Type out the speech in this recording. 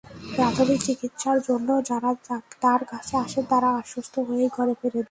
প্রাথমিক চিকিৎসার জন্য যাঁরা তাঁর কাছে আসেন, তাঁরা আশ্বস্ত হয়েই ঘরে ফেরেন।